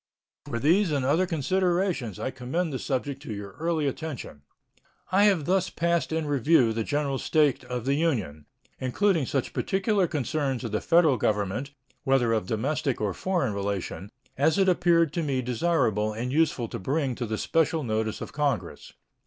For these and other considerations I commend the subject to your early attention. I have thus passed in review the general state of the Union, including such particular concerns of the Federal Government, whether of domestic or foreign relation, as it appeared to me desirable and useful to bring to the special notice of Congress.